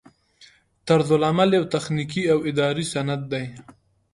طرزالعمل یو تخنیکي او اداري سند دی.